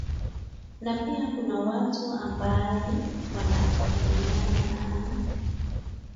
na pia kuna watu ambae wanakabiliana na